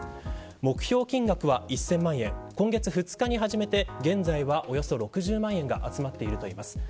目標金額は１０００万円で今月２日に始めて現在は６０万円が集まっている状況です。